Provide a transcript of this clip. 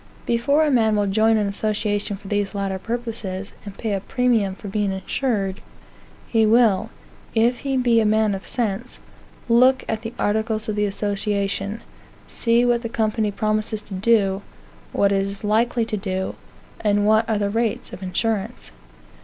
Before a man will join an association for these latter purposes, and pay the premium for being insured, he will, if he be a man of sense, look at the articles of the association; see what the company promises to do; what it is likely to do; and what are the rates of insurance.